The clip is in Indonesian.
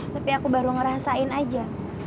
tapi aku baru ngerasain aja